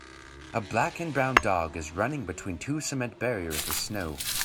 A black and brown dog is running between two cement barriers with snow.